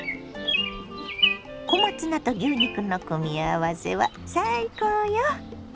小松菜と牛肉の組み合わせは最高よ。